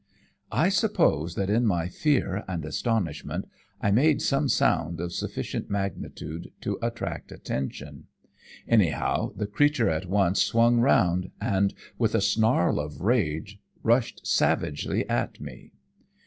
"I suppose that in my fear and astonishment I made some sound of sufficient magnitude to attract attention; anyhow, the creature at once swung round, and, with a snarl of rage, rushed savagely at me.